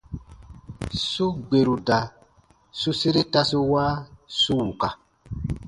Su gberu da su sere tasu wa su wuka.